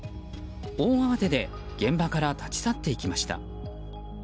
大慌てで現場から立ち去っていきました。